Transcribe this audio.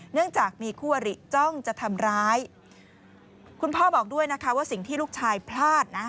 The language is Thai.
เนื่องจากมีคู่อริจ้องจะทำร้ายคุณพ่อบอกด้วยนะคะว่าสิ่งที่ลูกชายพลาดนะ